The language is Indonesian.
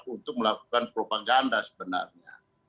untuk melakukan propaganda sebenarnya